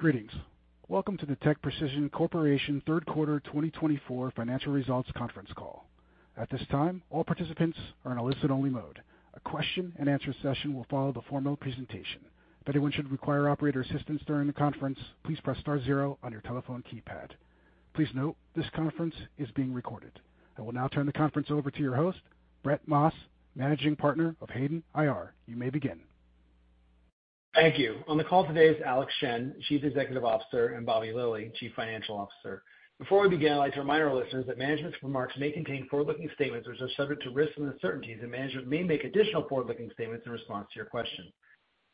Greetings. Welcome to the TechPrecision Corporation third quarter 2024 financial results conference call. At this time, all participants are in a listen-only mode. A question-and-answer session will follow the formal presentation. If anyone should require operator assistance during the conference, please press star zero on your telephone keypad. Please note, this conference is being recorded. I will now turn the conference over to your host, Brett Maas, managing partner of Hayden IR. You may begin. Thank you. On the call today is Alex Shen, Chief Executive Officer, and Bobbie Lilley, Chief Financial Officer. Before we begin, I'd like to remind our listeners that management's remarks may contain forward-looking statements which are subject to risks and uncertainties, and management may make additional forward-looking statements in response to your question.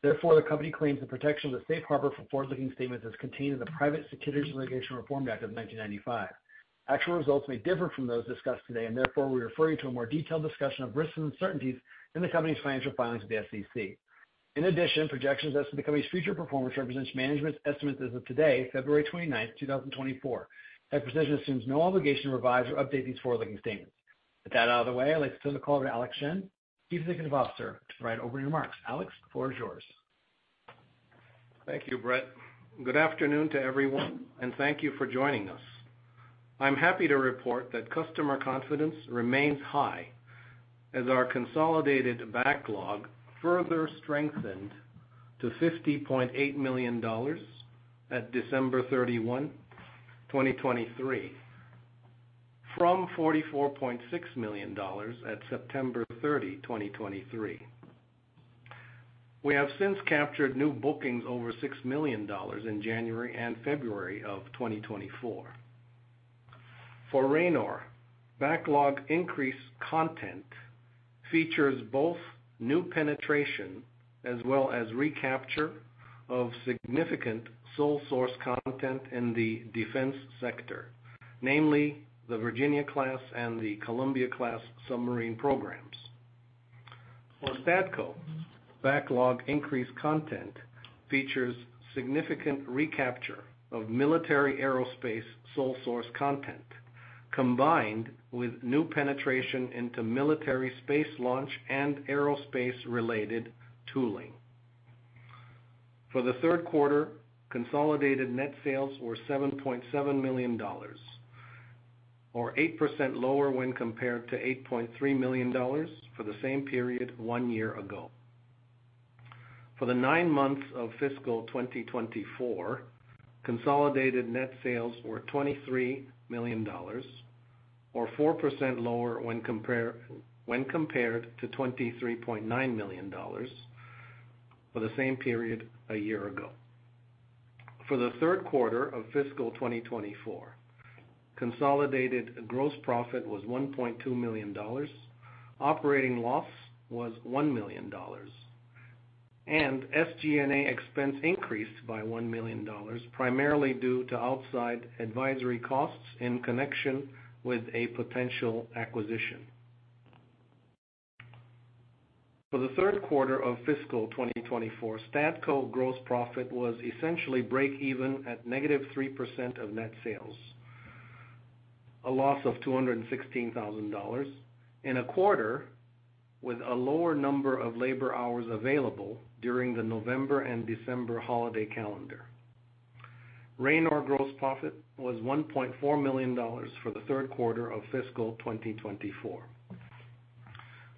Therefore, the company claims the protection of the safe harbor for forward-looking statements is contained in the Private Securities Litigation Reform Act of 1995. Actual results may differ from those discussed today, and therefore we're referring to a more detailed discussion of risks and uncertainties in the company's financial filings with the SEC. In addition, projections as to the company's future performance represent management's estimates as of today, 29 February 2024. TechPrecision assumes no obligation to revise or update these forward-looking statements. With that out of the way, I'd like to turn the call over to Alex Shen, Chief Executive Officer, to provide opening remarks. Alex, the floor is yours. Thank you, Brett. Good afternoon to everyone and thank you for joining us. I'm happy to report that customer confidence remains high as our consolidated backlog further strengthened to $50.8 million at 31 December 2023, from $44.6 million at 30 September 2023. We have since captured new bookings over $6 million in January and February of 2024. For Ranor, backlog increase content features both new penetration as well as recapture of significant sole-source content in the defense sector, namely the Virginia-class and the Columbia-class submarine programs. For Stadco, backlog increase content features significant recapture of military aerospace sole-source content combined with new penetration into military space launch and aerospace-related tooling. For the third quarter, consolidated net sales were $7.7 million, or 8% lower when compared to $8.3 million for the same period one year ago. For the nine months of fiscal 2024, consolidated net sales were $23 million, or 4% lower when compared to $23.9 million for the same period a year ago. For the third quarter of fiscal 2024, consolidated gross profit was $1.2 million, operating loss was $1 million, and SG&A expense increased by $1 million primarily due to outside advisory costs in connection with a potential acquisition. For the third quarter of fiscal 2024, Stadco gross profit was essentially break-even at negative 3% of net sales, a loss of $216,000, in a quarter with a lower number of labor hours available during the November and December holiday calendar. Ranor gross profit was $1.4 million for the third quarter of fiscal 2024.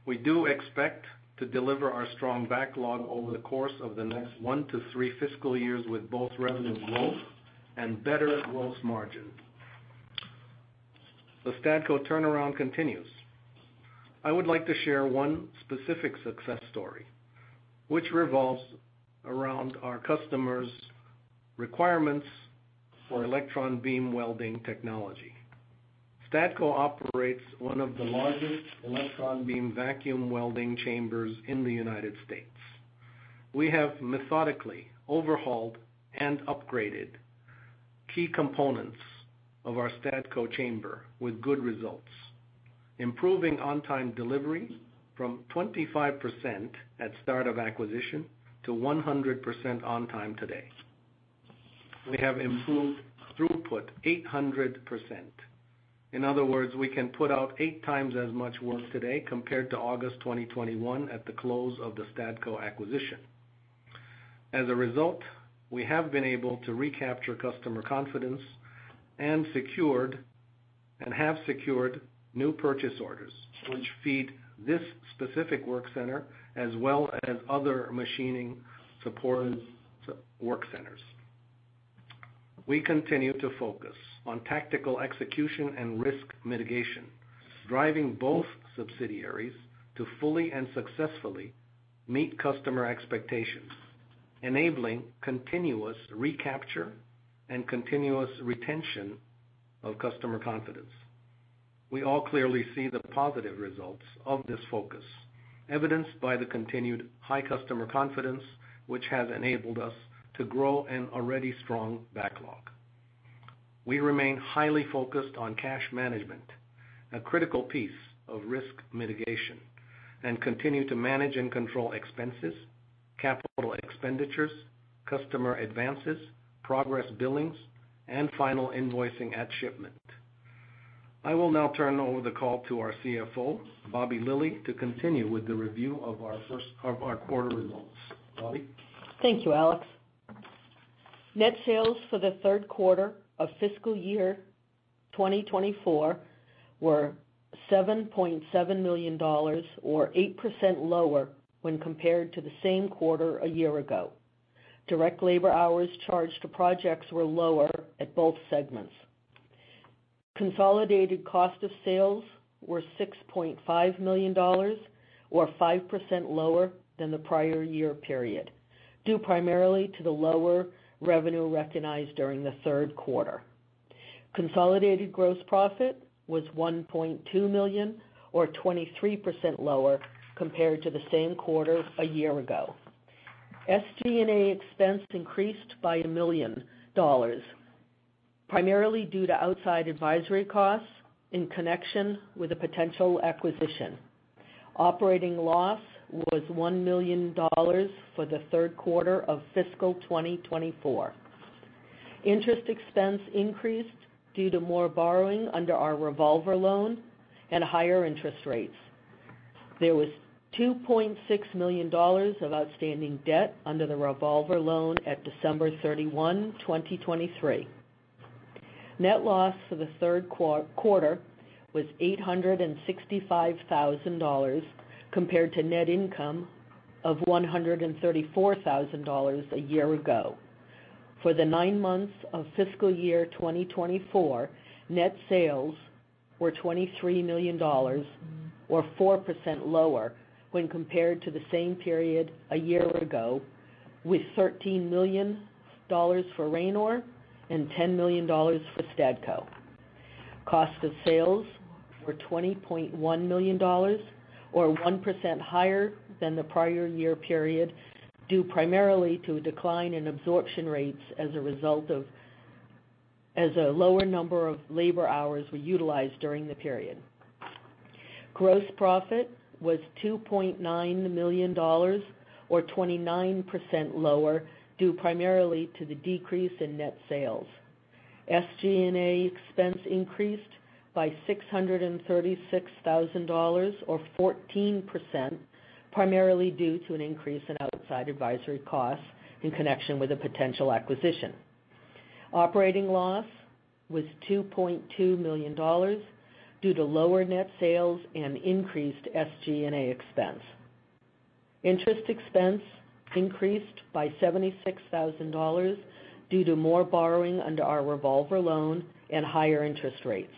We do expect to deliver our strong backlog over the course of the next one to three fiscal years with both revenue growth and better gross margins. The Stadco turnaround continues. I would like to share one specific success story, which revolves around our customer's requirements for electron beam welding technology. Stadco operates one of the largest electron beam vacuum welding chambers in the United States. We have methodically overhauled and upgraded key components of our Stadco chamber with good results, improving on-time delivery from 25% at start of acquisition to 100% on-time today. We have improved throughput 800%. In other words, we can put out eight times as much work today compared to August 2021 at the close of the Stadco acquisition. As a result, we have been able to recapture customer confidence and have secured new purchase orders, which feed this specific work center as well as other machining support work centers. We continue to focus on tactical execution and risk mitigation, driving both subsidiaries to fully and successfully meet customer expectations, enabling continuous recapture and continuous retention of customer confidence. We all clearly see the positive results of this focus, evidenced by the continued high customer confidence, which has enabled us to grow an already strong backlog. We remain highly focused on cash management, a critical piece of risk mitigation, and continue to manage and control expenses, capital expenditures, customer advances, progress billings, and final invoicing at shipment. I will now turn over the call to our CFO, Bobbie Lilley, to continue with the review of our quarter results. Bobbie? Thank you, Alex. Net sales for the third quarter of fiscal year 2024 were $7.7 million, or 8% lower when compared to the same quarter a year ago. Direct labor hours charged to projects were lower at both segments. Consolidated cost of sales were $6.5 million, or 5% lower than the prior year period, due primarily to the lower revenue recognized during the third quarter. Consolidated gross profit was $1.2 million, or 23% lower compared to the same quarter a year ago. SG&A expense increased by $1 million, primarily due to outside advisory costs in connection with a potential acquisition. Operating loss was $1 million for the third quarter of fiscal 2024. Interest expense increased due to more borrowing under our revolver loan and higher interest rates. There was $2.6 million of outstanding debt under the revolver loan at 31 December 2023. Net loss for the third quarter was $865,000 compared to net income of $134,000 a year ago. For the nine months of fiscal year 2024, net sales were $23 million, or 4% lower when compared to the same period a year ago, with $13 million for Ranor and $10 million for Stadco. Cost of sales were $20.1 million, or 1% higher than the prior year period, due primarily to a decline in absorption rates as a result of a lower number of labor hours utilized during the period. Gross profit was $2.9 million, or 29% lower due primarily to the decrease in net sales. SG&A expense increased by $636,000, or 14%, primarily due to an increase in outside advisory costs in connection with a potential acquisition. Operating loss was $2.2 million due to lower net sales and increased SG&A expense. Interest expense increased by $76,000 due to more borrowing under our revolver loan and higher interest rates.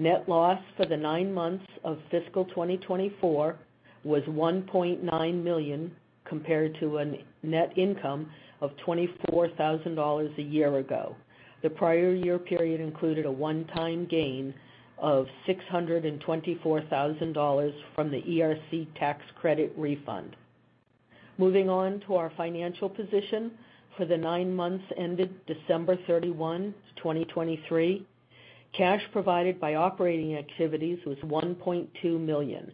Net loss for the nine months of fiscal 2024 was $1.9 million compared to a net income of $24,000 a year ago. The prior year period included a one-time gain of $624,000 from the ERC tax credit refund. Moving on to our financial position for the nine months ended 31 December 2023, cash provided by operating activities was $1.2 million.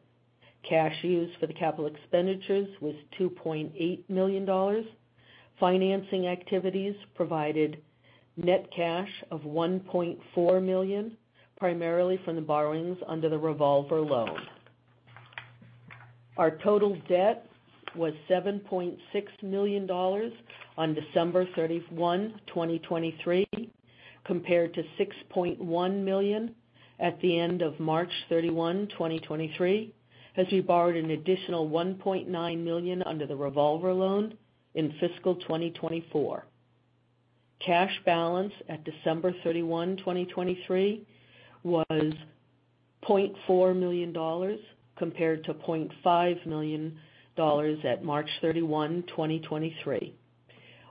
Cash used for the capital expenditures was $2.8 million. Financing activities provided net cash of $1.4 million, primarily from the borrowings under the revolver loan. Our total debt was $7.6 million on 31 December 2023, compared to $6.1 million at the end of 31 March 2023, as we borrowed an additional $1.9 million under the revolver loan in fiscal 2024. Cash balance at 31 December 2023, was $0.4 million compared to $0.5 million at 31 March 2023.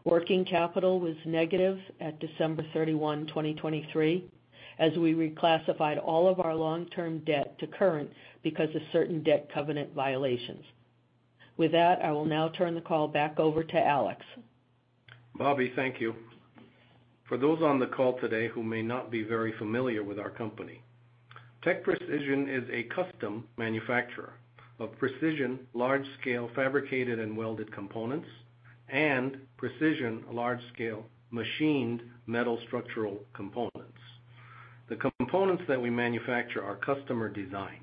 Working capital was negative at 31 December 2023, as we reclassified all of our long-term debt to current because of certain debt covenant violations. With that, I will now turn the call back over to Alex. Bobbie, thank you. For those on the call today who may not be very familiar with our company, TechPrecision is a custom manufacturer of precision large-scale fabricated and welded components and precision large-scale machined metal structural components. The components that we manufacture are customer designed.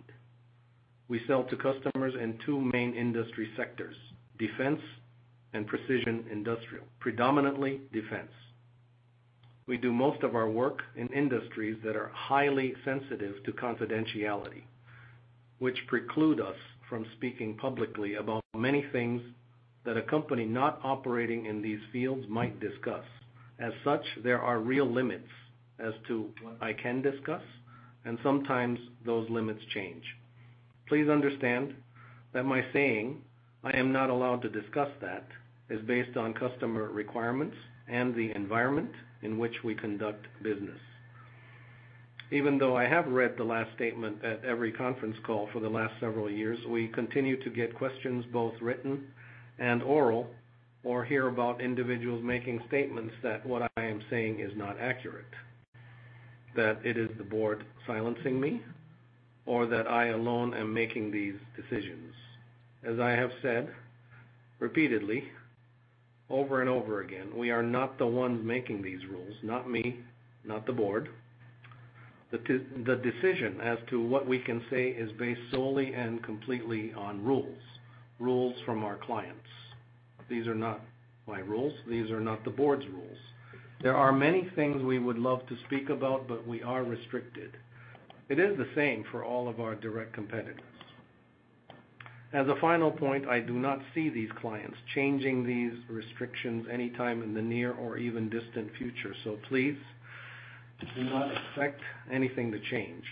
We sell to customers in two main industry sectors, defense and precision industrial, predominantly defense. We do most of our work in industries that are highly sensitive to confidentiality, which preclude us from speaking publicly about many things that a company not operating in these fields might discuss. As such, there are real limits as to what I can discuss, and sometimes those limits change. Please understand that my saying, "I am not allowed to discuss that," is based on customer requirements and the environment in which we conduct business. Even though I have read the last statement at every conference call for the last several years, we continue to get questions both written and oral or hear about individuals making statements that what I am saying is not accurate, that it is the board silencing me, or that I alone am making these decisions. As I have said repeatedly, over and over again, we are not the ones making these rules, not me, not the board. The decision as to what we can say is based solely and completely on rules, rules from our clients. These are not my rules. These are not the board's rules. There are many things we would love to speak about, but we are restricted. It is the same for all of our direct competitors. As a final point, I do not see these clients changing these restrictions anytime in the near or even distant future, so please do not expect anything to change.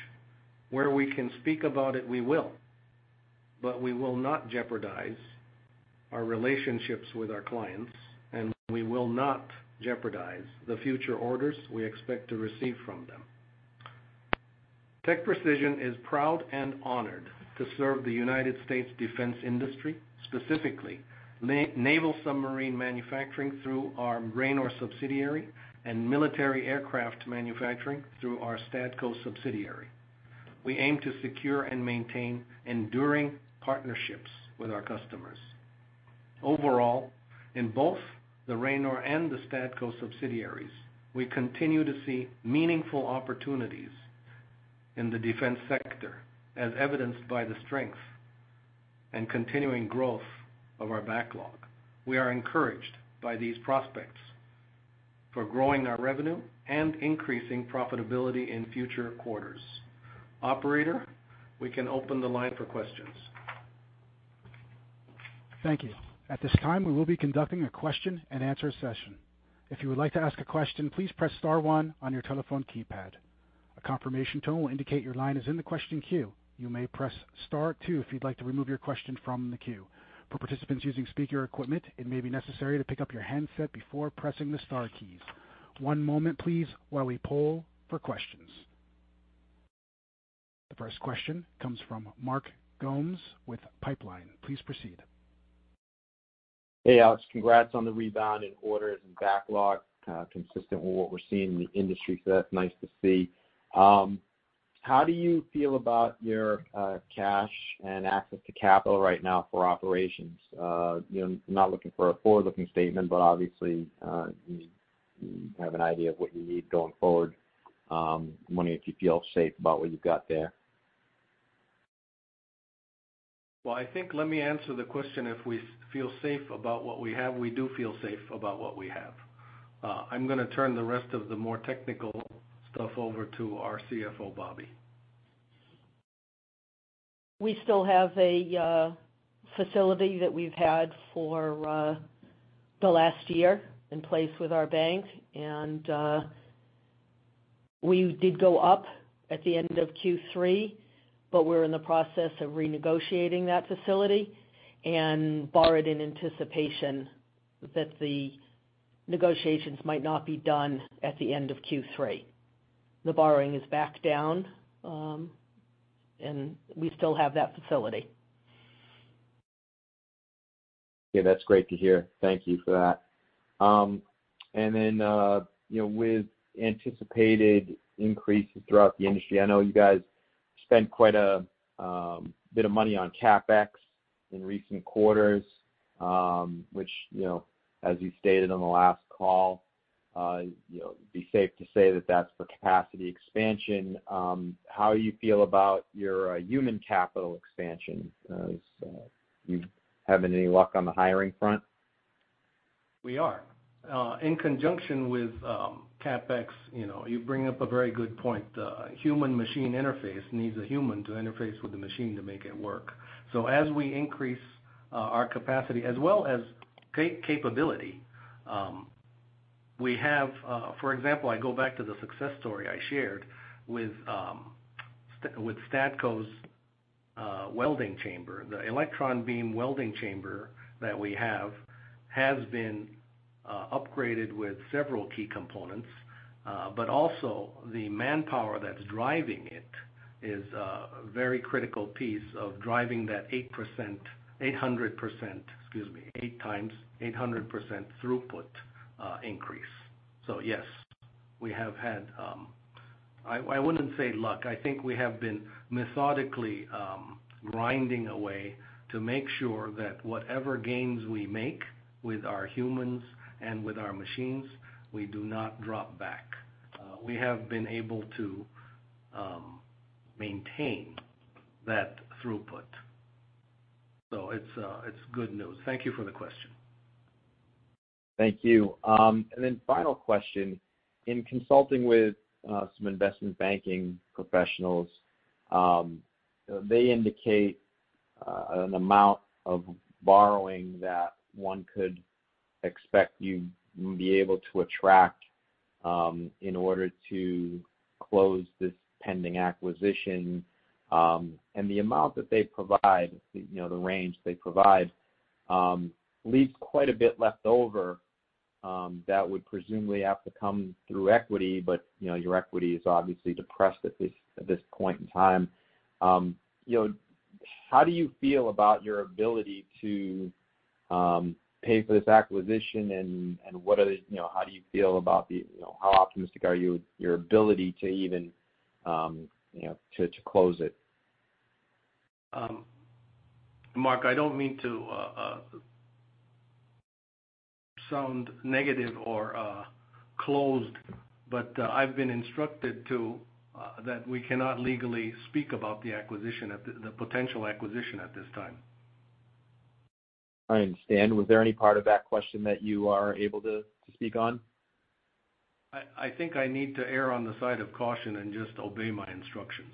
Where we can speak about it, we will, but we will not jeopardize our relationships with our clients, and we will not jeopardize the future orders we expect to receive from them. TechPrecision is proud and honored to serve the United States defense industry, specifically naval submarine manufacturing through our Ranor subsidiary and military aircraft manufacturing through our Stadco subsidiary. We aim to secure and maintain enduring partnerships with our customers. Overall, in both the Ranor and the Stadco subsidiaries, we continue to see meaningful opportunities in the defense sector, as evidenced by the strength and continuing growth of our backlog. We are encouraged by these prospects for growing our revenue and increasing profitability in future quarters. Operator, we can open the line for questions. Thank you. At this time, we will be conducting a question-and-answer session. If you would like to ask a question, please press star one on your telephone keypad. A confirmation tone will indicate your line is in the question queue. You may press star two if you'd like to remove your question from the queue. For participants using speaker equipment, it may be necessary to pick up your handset before pressing the star keys. One moment, please, while we poll for questions. The first question comes from Mark Gomes with Pipeline. Please proceed. Hey, Alex. Congrats on the rebound in orders and backlog consistent with what we're seeing in the industry, so that's nice to see. How do you feel about your cash and access to capital right now for operations? I'm not looking for a forward-looking statement, but obviously, you have an idea of what you need going forward. I'm wondering if you feel safe about what you've got there. Well, I think, let me answer the question. If we feel safe about what we have, we do feel safe about what we have. I'm going to turn the rest of the more technical stuff over to our CFO, Bobbie. We still have a facility that we've had for the last year in place with our bank, and we did go up at the end of third quarter, but we're in the process of renegotiating that facility and borrowed in anticipation that the negotiations might not be done at the end of third quarter. The borrowing is back down, and we still have that facility. Yeah, that's great to hear. Thank you for that. And then with anticipated increases throughout the industry, I know you guys spent quite a bit of money on CapEx in recent quarters, which, as you stated on the last call, it'd be safe to say that that's for capacity expansion. How do you feel about your human capital expansion? Are you having any luck on the hiring front? We are. In conjunction with CapEx, you bring up a very good point. Human-machine interface needs a human to interface with the machine to make it work. So, as we increase our capacity as well as capability, we have for example, I go back to the success story I shared with Stadco's welding chamber. The electron beam welding chamber that we have has been upgraded with several key components, but also the manpower that's driving it is a very critical piece of driving that 800% excuse me, eight times 800% throughput increase. So yes, we have had I wouldn't say luck. I think we have been methodically grinding away to make sure that whatever gains we make with our humans and with our machines, we do not drop back. We have been able to maintain that throughput, so it's good news. Thank you for the question. Thank you. And then final question. In consulting with some investment banking professionals, they indicate an amount of borrowing that one could expect you to be able to attract in order to close this pending acquisition. And the amount that they provide, the range they provide, leaves quite a bit left over that would presumably have to come through equity, but your equity is obviously depressed at this point in time. How do you feel about your ability to pay for this acquisition, and how optimistic are you with your ability to even close it? Mark, I don't mean to sound negative or closed, but I've been instructed that we cannot legally speak about the acquisition, the potential acquisition, at this time. I understand. Was there any part of that question that you are able to speak on? I think I need to hear on the side of caution and just obey my instructions.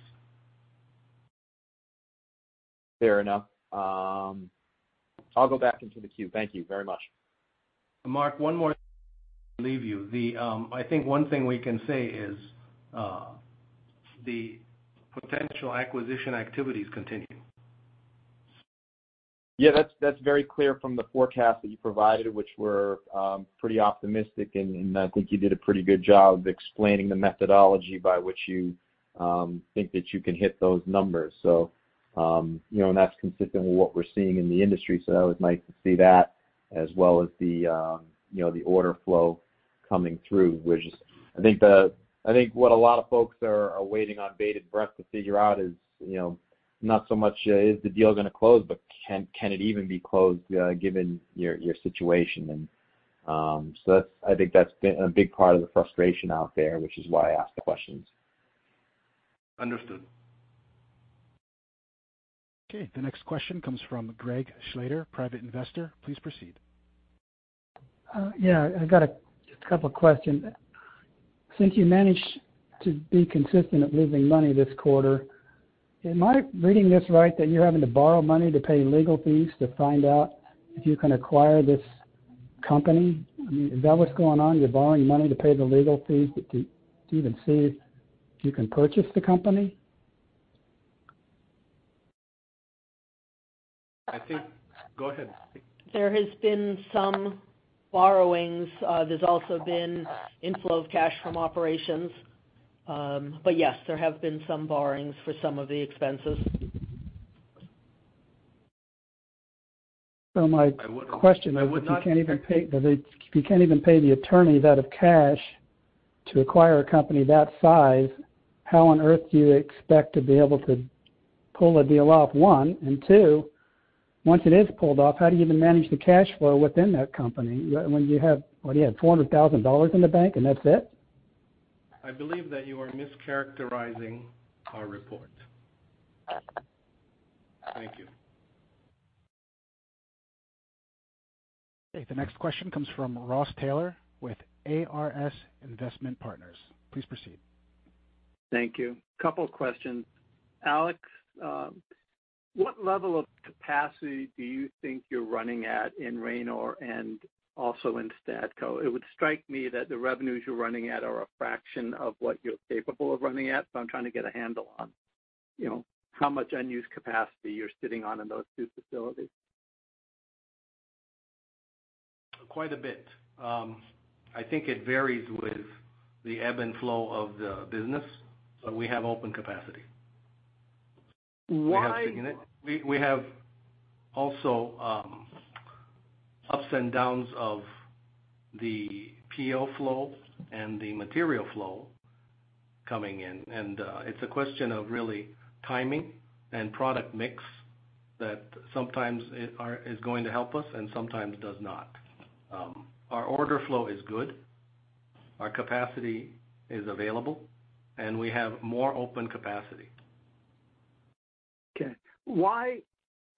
Fair enough. I'll go back into the queue. Thank you very much. Mark, one more thing before I leave you. I think one thing we can say is the potential acquisition activities continue. Yeah, that's very clear from the forecast that you provided, which were pretty optimistic, and I think you did a pretty good job of explaining the methodology by which you think that you can hit those numbers. And that's consistent with what we're seeing in the industry, so that was nice to see that as well as the order flow coming through, which I think what a lot of folks are waiting on bated breath to figure out is not so much, "Is the deal going to close?" but, "Can it even be closed given your situation?" And so, I think that's been a big part of the frustration out there, which is why I asked the questions. Understood. Okay. The next question comes from Greg Schlater, private investor. Please proceed. Yeah, I got a couple of questions. Since you managed to be consistent at losing money this quarter, am I reading this right that you're having to borrow money to pay legal fees to find out if you can acquire this company? I mean, is that what's going on? You're borrowing money to pay the legal fees to even see if you can purchase the company? I think go ahead. There has been some borrowings. There's also been inflow of cash from operations. But yes, there have been some borrowings for some of the expenses. So, my question is, if you can't even pay the attorney out of cash to acquire a company that size, how on earth do you expect to be able to pull a deal off? One. And two, once it is pulled off, how do you even manage the cash flow within that company when you have what, do you have $400,000 in the bank and that's it? I believe that you are mischaracterizing our report. Thank you. Okay. The next question comes from Ross Taylor with ARS Investment Partners. Please proceed. Thank you. Couple of questions. Alex, what level of capacity do you think you're running at in Ranor and also in Stadco? It would strike me that the revenues you're running at are a fraction of what you're capable of running at, so I'm trying to get a handle on how much unused capacity you're sitting on in those two facilities. Quite a bit. I think it varies with the ebb and flow of the business, but we have open capacity. We have sitting in it. We have also ups and downs of the PO flow and the material flow coming in, and it's a question of really timing and product mix that sometimes is going to help us and sometimes does not. Our order flow is good. Our capacity is available, and we have more open capacity. Okay. Why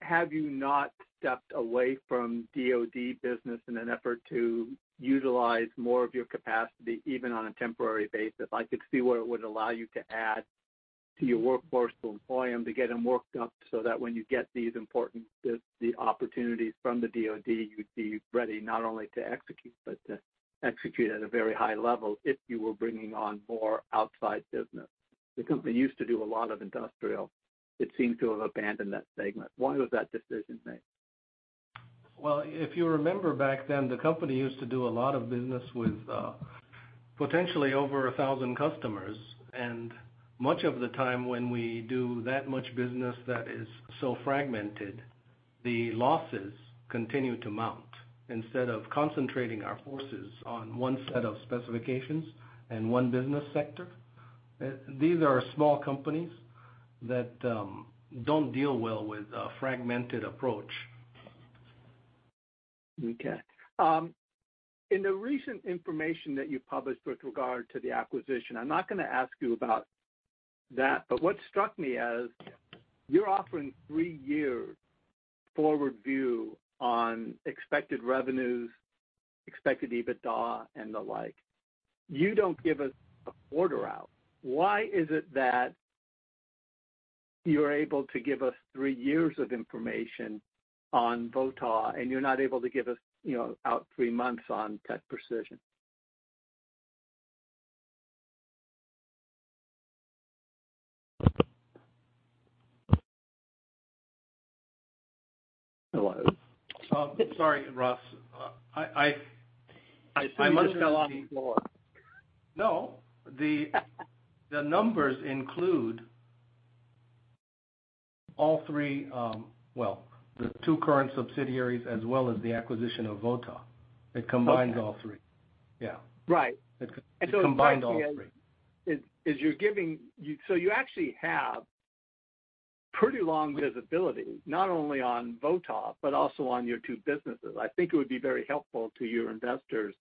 have you not stepped away from DOD business in an effort to utilize more of your capacity even on a temporary basis? I could see where it would allow you to add to your workforce to employ them to get them worked up so that when you get these important opportunities from the DOD, you'd be ready not only to execute but to execute at a very high level if you were bringing on more outside business. The company used to do a lot of industrial. It seems to have abandoned that segment. Why was that decision made? Well, if you remember back then, the company used to do a lot of business with potentially over 1,000 customers. Much of the time when we do that much business that is so fragmented, the losses continue to mount. Instead of concentrating our forces on one set of specifications and one business sector, these are small companies that don't deal well with a fragmented approach. Okay. In the recent information that you published with regard to the acquisition, I'm not going to ask you about that, but what struck me is you're offering three years' forward view on expected revenues, expected EBITDA, and the like. You don't give us a quarter out. Why is it that you're able to give us three years of information on Votaw, and you're not able to give us out three months on TechPrecision? Hello? Sorry, Ross. I must have fell off the floor. No, the numbers include all three, well, the two current subsidiaries as well as the acquisition of Votaw. It combines all three. Yeah. It combines all three. Right. And so, you're giving so you actually have pretty long visibility not only on V-22 but also on your two businesses. I think it would be very helpful to your investors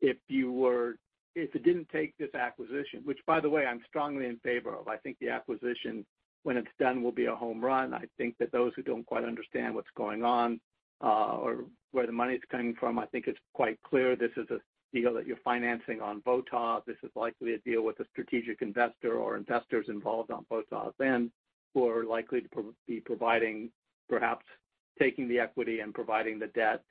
if it didn't take this acquisition, which, by the way, I'm strongly in favor of. I think the acquisition, when it's done, will be a home run. I think that those who don't quite understand what's going on or where the money's coming from, I think it's quite clear this is a deal that you're financing on V-22. This is likely a deal with a strategic investor or investors involved on V-22 then who are likely to be providing perhaps taking the equity and providing the debt.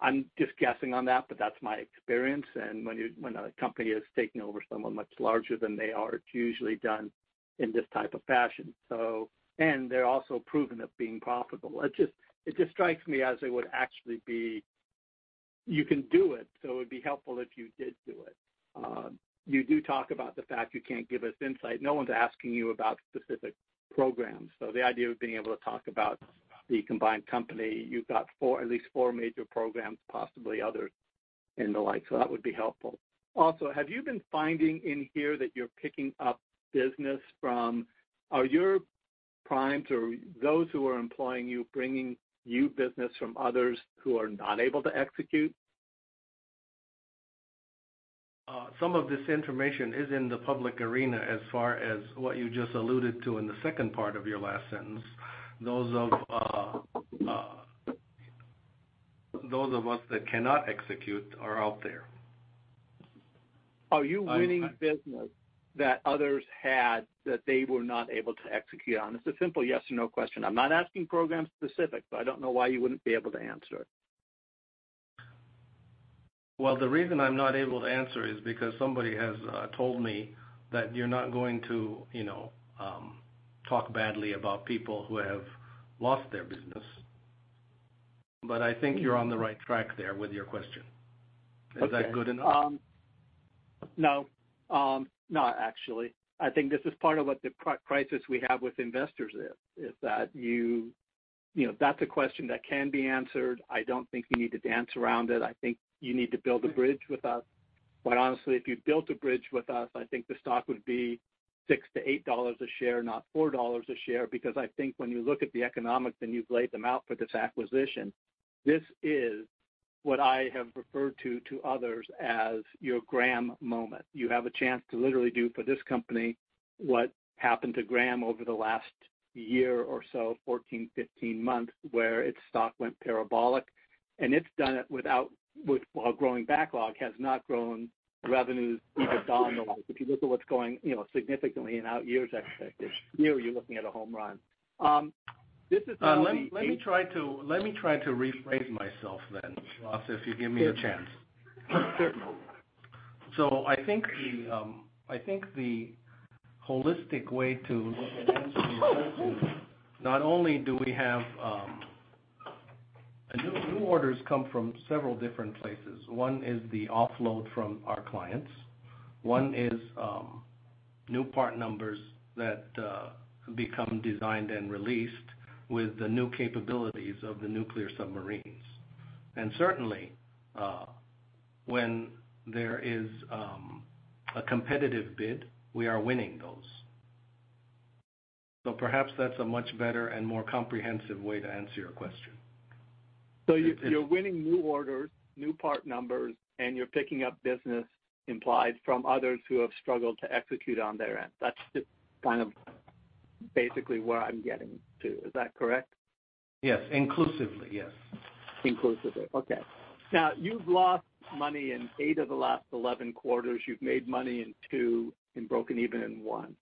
I'm just guessing on that, but that's my experience. And when a company is taking over someone much larger than they are, it's usually done in this type of fashion. They're also proven at being profitable. It just strikes me as it would actually be you can do it, so it would be helpful if you did do it. You do talk about the fact you can't give us insight. No one's asking you about specific programs. The idea of being able to talk about the combined company, you've got at least four major programs, possibly others, and the like, so that would be helpful. Also, have you been finding in here that you're picking up business from are your primes or those who are employing you bringing you business from others who are not able to execute? Some of this information is in the public arena as far as what you just alluded to in the second part of your last sentence. Those of us that cannot execute are out there. Are you winning business that others had that they were not able to execute on? It's a simple yes-or-no question. I'm not asking program-specific, so I don't know why you wouldn't be able to answer it. Well, the reason I'm not able to answer is because somebody has told me that you're not going to talk badly about people who have lost their business. But I think you're on the right track there with your question. Is that good enough? No. No, actually. I think this is part of what the crisis we have with investors is, is that you that's a question that can be answered. I don't think you need to dance around it. I think you need to build a bridge with us. But honestly, if you built a bridge with us, I think the stock would be $6 to 8 a share, not $4 a share because I think when you look at the economics and you've laid them out for this acquisition, this is what I have referred to others as your Graham moment. You have a chance to literally do for this company what happened to Graham over the last year or so, 14 to 15 months, where its stock went parabolic. And it's done it without while growing backlog has not grown revenues either Ranor or Stadco. If you look at what's going significantly in out years' expected, here, you're looking at a home run. This is how we... Let me try to rephrase myself then, Ross, if you give me a chance. So, I think the holistic way to look at answering questions, not only do we have new orders come from several different places. One is the offload from our clients. One is new part numbers that become designed and released with the new capabilities of the nuclear submarines. And certainly, when there is a competitive bid, we are winning those. So perhaps that's a much better and more comprehensive way to answer your question. So, you're winning new orders, new part numbers, and you're picking up business implied from others who have struggled to execute on their end. That's just kind of basically where I'm getting to. Is that correct? Yes. Inclusively, yes. Inclusively. Okay. Now, you've lost money in eight of the last 11 quarters. You've made money in two and broken even in one.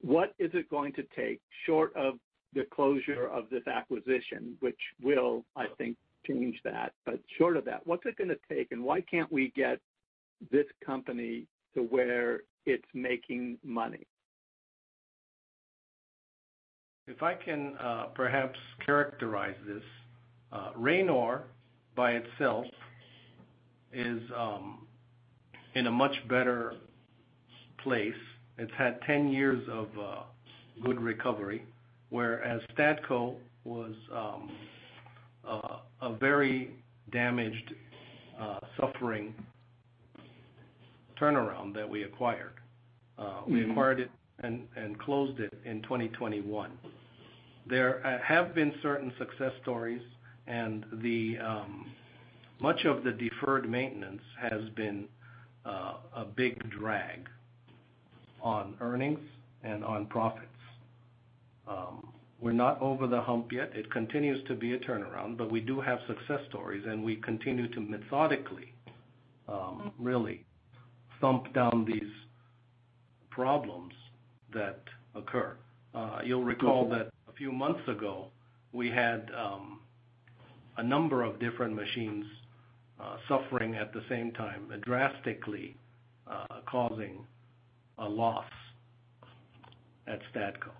What is it going to take short of the closure of this acquisition, which will, I think, change that? But short of that, what's it going to take, and why can't we get this company to where it's making money? If I can perhaps characterize this, Ranor by itself is in a much better place. It's had 10 years of good recovery, whereas Stadco was a very damaged, suffering turnaround that we acquired. We acquired it and closed it in 2021. There have been certain success stories, and much of the deferred maintenance has been a big drag on earnings and on profits. We're not over the hump yet. It continues to be a turnaround, but we do have success stories, and we continue to methodically, really, thump down these problems that occur. You'll recall that a few months ago, we had a number of different machines suffering at the same time, drastically causing loss at Stadco.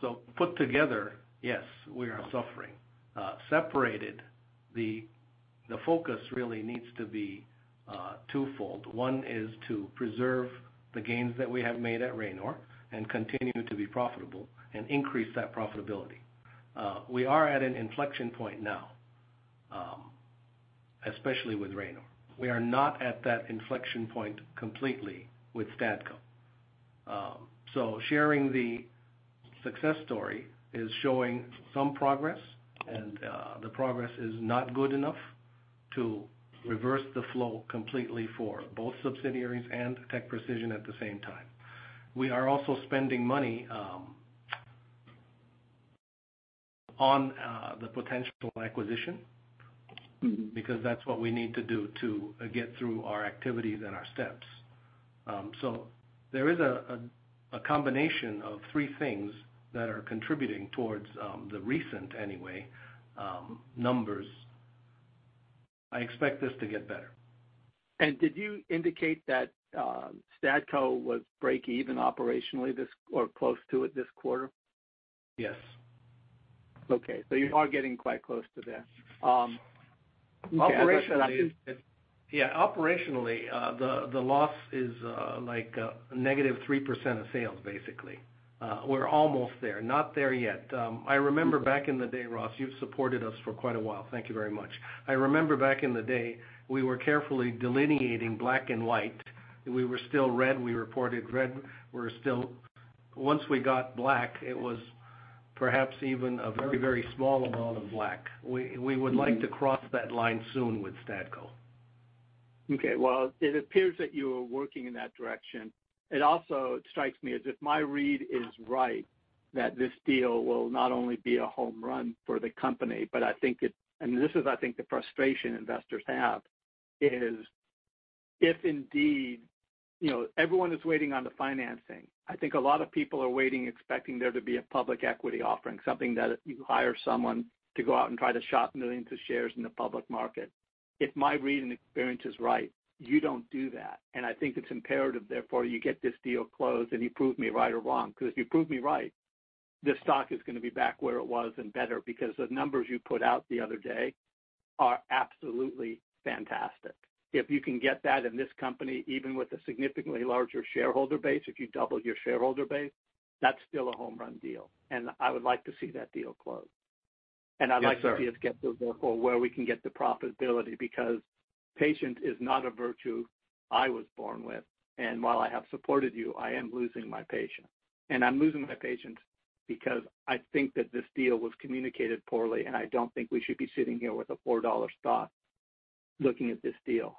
So put together, yes, we are suffering. Separated, the focus really needs to be twofold. One is to preserve the gains that we have made at Ranor and continue to be profitable and increase that profitability. We are at an inflection point now, especially with Ranor. We are not at that inflection point completely with Stadco. So sharing the success story is showing some progress, and the progress is not good enough to reverse the flow completely for both subsidiaries and TechPrecision at the same time. We are also spending money on the potential acquisition because that's what we need to do to get through our activities and our steps. So there is a combination of three things that are contributing towards the recent, anyway, numbers. I expect this to get better. Did you indicate that Stadco was break-even operationally or close to it this quarter? Yes. Okay. So you are getting quite close to there. Okay. I said I'm just... Yeah. Operationally, the loss is like negative 3% of sales, basically. We're almost there, not there yet. I remember back in the day, Ross, you've supported us for quite a while. Thank you very much. I remember back in the day, we were carefully delineating black and white. We were still red. We reported red. Once we got black, it was perhaps even a very, very small amount of black. We would like to cross that line soon with Stadco. Okay. Well, it appears that you are working in that direction. It also strikes me as if my read is right that this deal will not only be a home run for the company, but I think it and this is, I think, the frustration investors have is if indeed everyone is waiting on the financing. I think a lot of people are waiting, expecting there to be a public equity offering, something that you hire someone to go out and try to shop millions of shares in the public market. If my read and experience is right, you don't do that. And I think it's imperative, therefore, you get this deal closed, and you prove me right or wrong because if you prove me right, the stock is going to be back where it was and better because the numbers you put out the other day are absolutely fantastic. If you can get that in this company, even with a significantly larger shareholder base, if you double your shareholder base, that's still a home run deal. And I would like to see that deal closed. And I'd like to see us get to, therefore, where we can get the profitability because patience is not a virtue I was born with. And while I have supported you, I am losing my patience. And I'm losing my patience because I think that this deal was communicated poorly, and I don't think we should be sitting here with a $4 stock looking at this deal.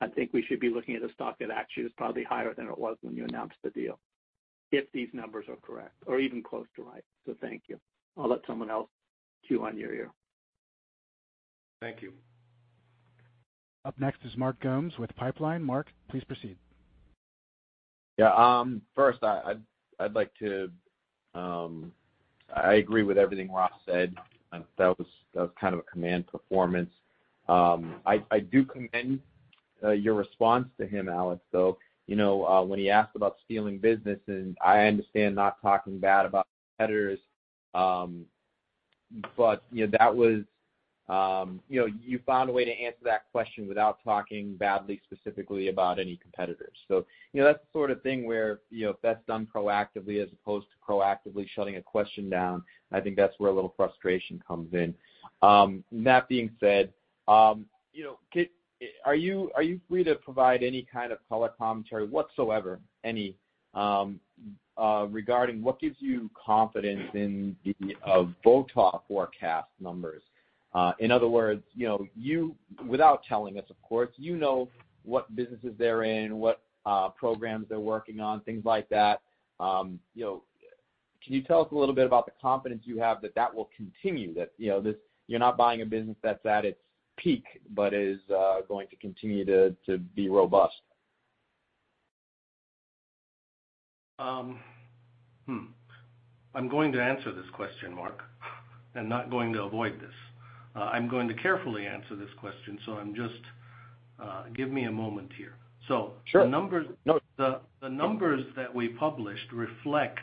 I think we should be looking at a stock that actually is probably higher than it was when you announced the deal if these numbers are correct or even close to right. So, thank you. I'll let someone else cue on your ear. Thank you. Up next is Mark Gomes with Pipeline. Mark, please proceed. Yeah. First, I'd like to, I agree with everything Ross said. That was kind of a command performance. I do commend your response to him, Alex, though. When he asked about stealing business, and I understand not talking bad about competitors, but that was you found a way to answer that question without talking badly specifically about any competitors. So that's the sort of thing where if that's done proactively as opposed to proactively shutting a question down, I think that's where a little frustration comes in. That being said, are you free to provide any kind of color commentary whatsoever, any, regarding what gives you confidence in the Votaw forecast numbers? In other words, without telling us, of course, you know what businesses they're in, what programs they're working on, things like that. Can you tell us a little bit about the confidence you have that that will continue, that you're not buying a business that's at its peak but is going to continue to be robust? I'm going to answer this question, Mark, and not going to avoid this. I'm going to carefully answer this question, so give me a moment here. So the numbers that we published reflect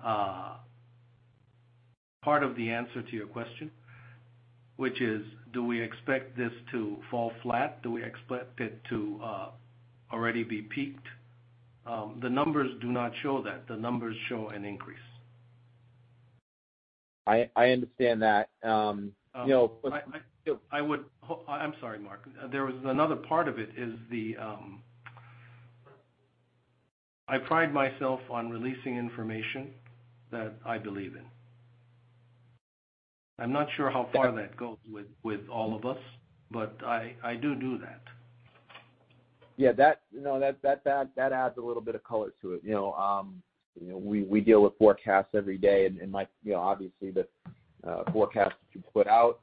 part of the answer to your question, which is, do we expect this to fall flat? Do we expect it to already be peaked? The numbers do not show that. The numbers show an increase. I understand that. I'm sorry, Mark. There was another part of it, is that I pride myself on releasing information that I believe in. I'm not sure how far that goes with all of us, but I do do that. Yeah. No, that adds a little bit of color to it. We deal with forecasts every day, and obviously, the forecast that you put out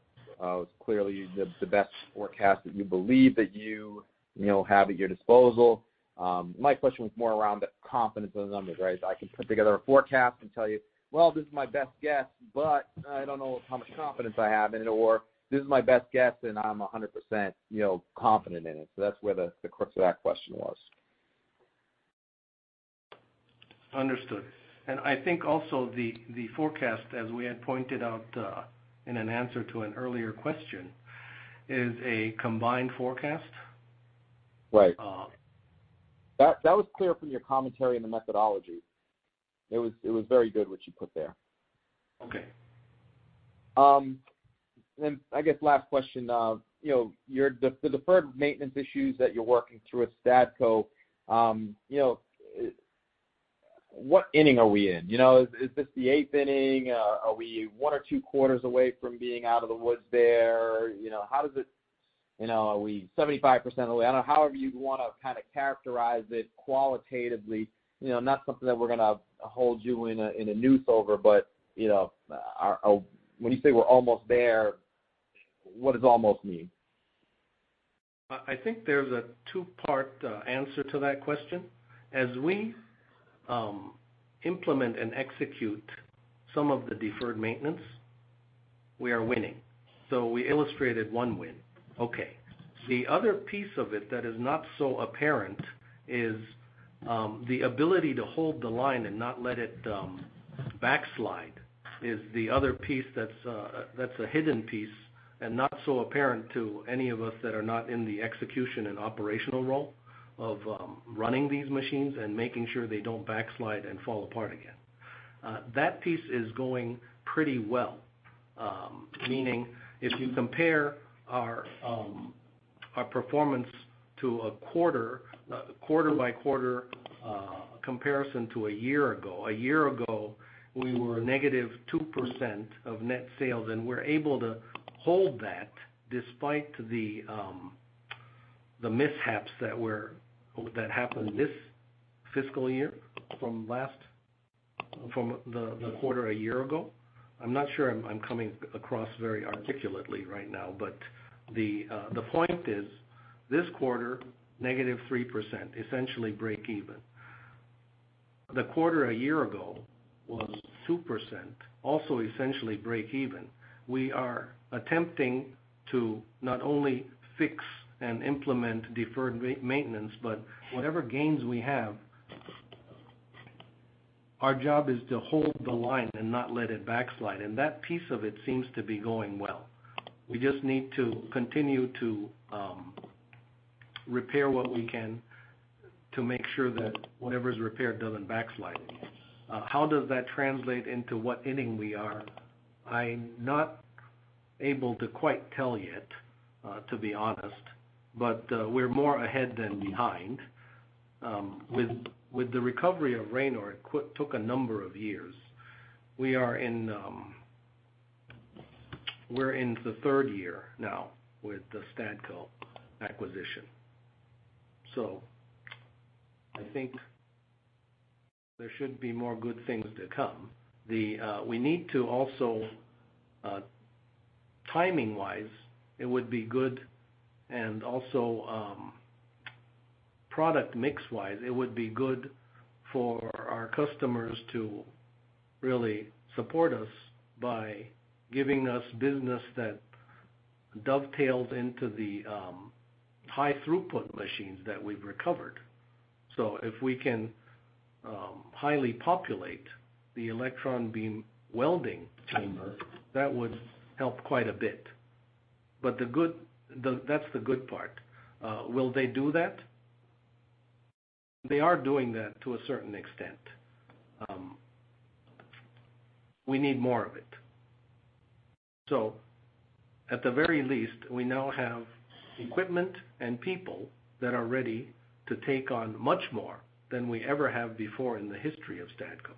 is clearly the best forecast that you believe that you have at your disposal. My question was more around the confidence in the numbers, right? I can put together a forecast and tell you, "Well, this is my best guess, but I don't know how much confidence I have in it," or, "This is my best guess, and I'm 100% confident in it." So that's where the crux of that question was. Understood. And I think also the forecast, as we had pointed out in an answer to an earlier question, is a combined forecast. Right. That was clear from your commentary and the methodology. It was very good what you put there. I guess last question, the deferred maintenance issues that you're working through with Stadco, what inning are we in? Is this the eighth inning? Are we one or two quarters away from being out of the woods there? How does it are we 75% away? I don't know. However you'd want to kind of characterize it qualitatively. Not something that we're going to hold you in a noose over, but when you say we're almost there, what does almost mean? I think there's a two-part answer to that question. As we implement and execute some of the deferred maintenance, we are winning. So we illustrated one win. Okay. The other piece of it that is not so apparent is the ability to hold the line and not let it backslide. is the other piece that's a hidden piece and not so apparent to any of us that are not in the execution and operational role of running these machines and making sure they don't backslide and fall apart again. That piece is going pretty well, meaning if you compare our performance to a quarter-by-quarter comparison to a year ago, a year ago, we were negative 2% of net sales, and we're able to hold that despite the mishaps that happened this fiscal year from the quarter a year ago. I'm not sure I'm coming across very articulately right now, but the point is, this quarter, negative 3%, essentially break-even. The quarter a year ago was 2%, also essentially break-even. We are attempting to not only fix and implement deferred maintenance, but whatever gains we have, our job is to hold the line and not let it backslide. And that piece of it seems to be going well. We just need to continue to repair what we can to make sure that whatever is repaired doesn't backslide anymore. How does that translate into what inning we are? I'm not able to quite tell yet, to be honest, but we're more ahead than behind. With the recovery of Ranor, it took a number of years. We're in the third year now with the Stadco acquisition. So, I think there should be more good things to come. We need to also, timing-wise, it would be good, and also product mix-wise, it would be good for our customers to really support us by giving us business that dovetails into the high-throughput machines that we've recovered. So if we can highly populate the electron beam welding chamber, that would help quite a bit. But that's the good part. Will they do that? They are doing that to a certain extent. We need more of it. So, at the very least, we now have equipment and people that are ready to take on much more than we ever have before in the history of Stadco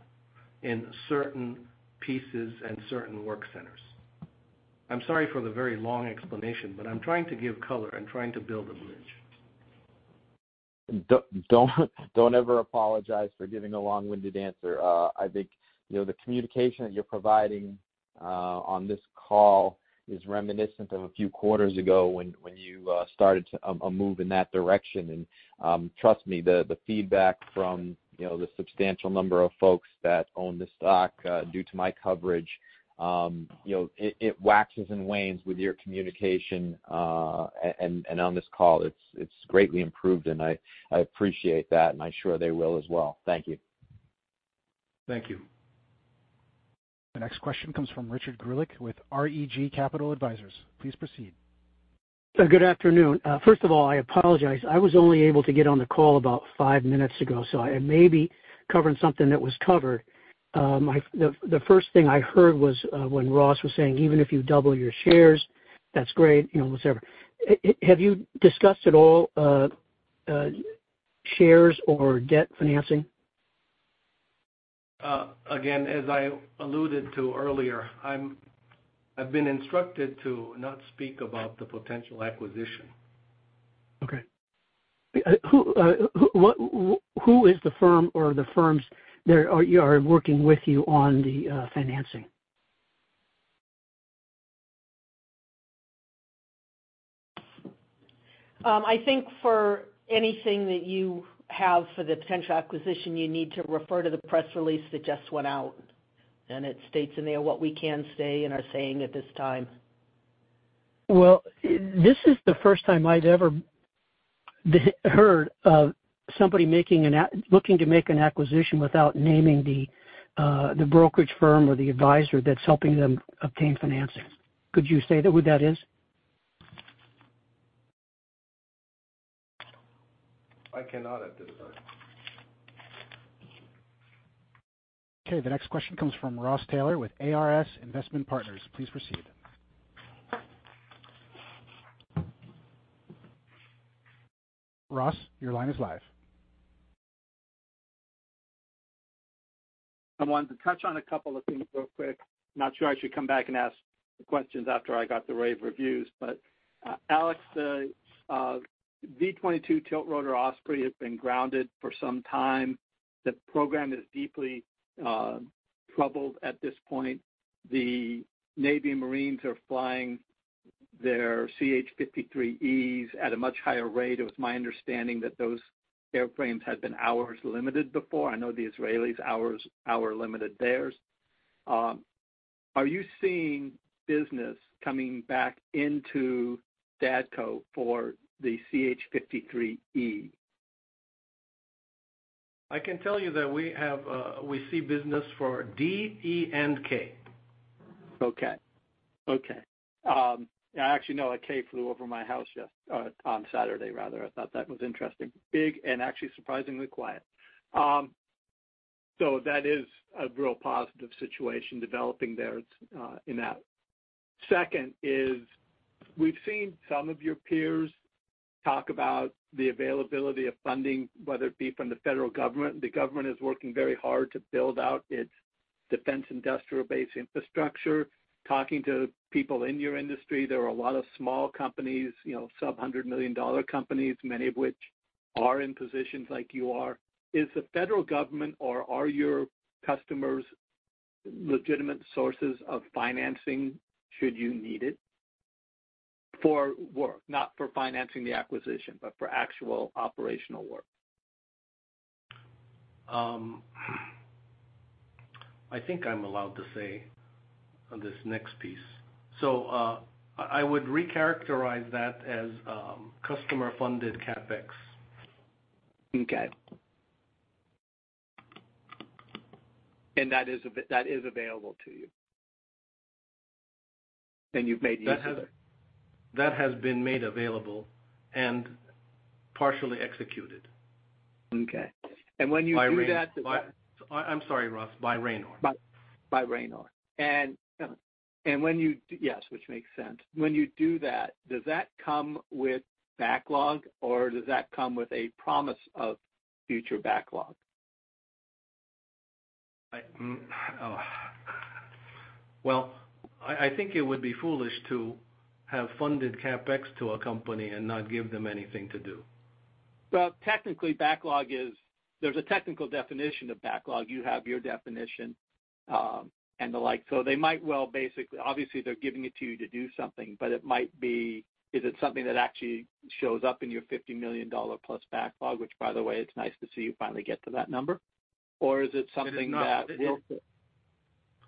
in certain pieces and certain work centers. I'm sorry for the very long explanation, but I'm trying to give color and trying to build a bridge. Don't ever apologize for giving a long-winded answer. I think the communication that you're providing on this call is reminiscent of a few quarters ago when you started a move in that direction. Trust me, the feedback from the substantial number of folks that own this stock due to my coverage, it waxes and wanes with your communication. On this call, it's greatly improved, and I appreciate that, and I'm sure they will as well. Thank you. Thank you. The next question comes from Richard Greulich with REG Capital Advisors. Please proceed. Good afternoon. First of all, I apologize. I was only able to get on the call about five minutes ago, so I may be covering something that was covered. The first thing I heard was when Ross was saying, "Even if you double your shares, that's great," whatsoever. Have you discussed at all shares or debt financing? Again, as I alluded to earlier, I've been instructed to not speak about the potential acquisition. Okay. Who is the firm or the firms that are working with you on the financing? I think for anything that you have for the potential acquisition, you need to refer to the press release that just went out, and it states in there what we can say and are saying at this time. Well, this is the first time I've ever heard of somebody looking to make an acquisition without naming the brokerage firm or the advisor that's helping them obtain financing. Could you say who that is? I cannot identify. Okay. The next question comes from Ross Taylor with ARS Investment Partners. Please proceed. Ross, your line is live. I wanted to touch on a couple of things real quick. Not sure I should come back and ask the questions after I got the rave reviews, but Alex, the V-22 tilt rotor Osprey has been grounded for some time. The program is deeply troubled at this point. The Navy Marines are flying their CH-53Es at a much higher rate. It was my understanding that those airframes had been hours limited before. I know the Israelis' hour-limited theirs. Are you seeing business coming back into Stadco for the CH-53E? I can tell you that we see business for the K. Okay. Okay. I actually saw a CH-53K flew over my house yesterday on Saturday, rather. I thought that was interesting. Big and actually surprisingly quiet. So that is a real positive situation developing there in that. Second is we've seen some of your peers talk about the availability of funding, whether it be from the federal government. The government is working very hard to build out its defense industrial base infrastructure. Talking to people in your industry, there are a lot of small companies, sub-$100 million companies, many of which are in positions like you are. Is the federal government or are your customers legitimate sources of financing should you need it for work? Not for financing the acquisition, but for actual operational work. I think I'm allowed to say this next piece. I would recharacterize that as customer-funded CapEx. Okay. And that is available to you? And you've made use of it? That has been made available and partially executed. Okay. When you do that... I'm sorry, Ross. By Ranor. By Ranor. And when you yes, which makes sense. When you do that, does that come with backlog, or does that come with a promise of future backlog? Well, I think it would be foolish to have funded CapEx to a company and not give them anything to do. Well, technically, there's a technical definition of backlog. You have your definition and the like. So they might well basically obviously, they're giving it to you to do something, but it might be, is it something that actually shows up in your $50 million plus backlog, which, by the way, it's nice to see you finally get to that number? Or is it something that will...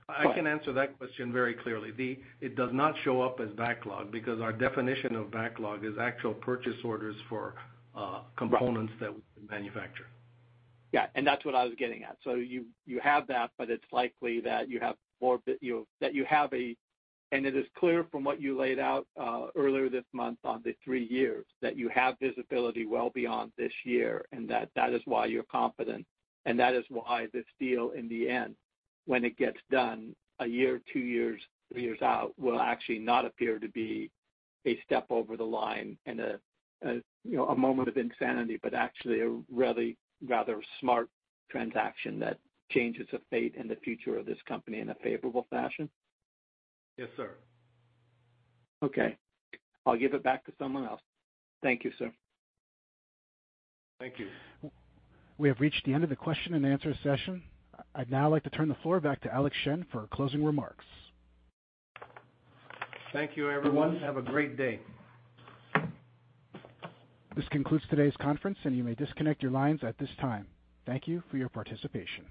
I can answer that question very clearly. It does not show up as backlog because our definition of backlog is actual purchase orders for components that we manufacture. Yeah. And that's what I was getting at. So you have that, but it's likely that you have more that you have, and it is clear from what you laid out earlier this month on the three years that you have visibility well beyond this year, and that is why you're confident, and that is why this deal, in the end, when it gets done, a year, two years, three years out, will actually not appear to be a step over the line and a moment of insanity, but actually a really rather smart transaction that changes the fate and the future of this company in a favorable fashion. Yes, sir. Okay. I'll give it back to someone else. Thank you, sir. Thank you. We have reached the end of the question-and-answer session. I'd now like to turn the floor back to Alex Shen for closing remarks. Thank you, everyone. Have a great day. This concludes today's conference, and you may disconnect your lines at this time. Thank you for your participation.